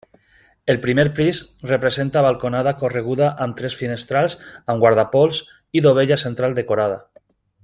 El primer pis presenta balconada correguda amb tres finestrals amb guardapols i dovella central decorada.